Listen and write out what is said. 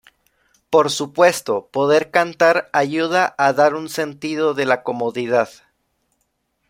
Por supuesto, poder cantar ayuda a dar un sentido de la comodidad.